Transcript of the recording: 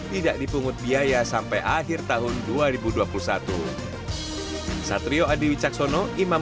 tidak dipungut biaya sampai akhir tahun dua ribu dua puluh satu